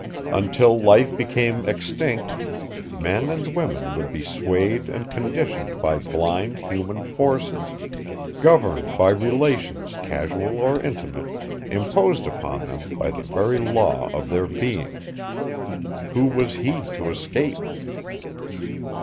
Until life became extinct, men and women would be swayed and conditioned by blind human forces, governed by relations casual or intimate, imposed upon them by the very law of their being. Who was he to escape?